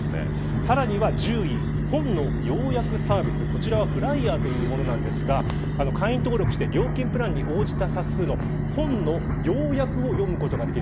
さらに１０位、本の要約サービスｆｌｉｅｒというものですが会員登録をして料金プランに応じた冊数の本の要約を読むことができる。